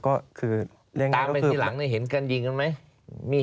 ตามไปทีหลังเห็นกันยิงกันไหม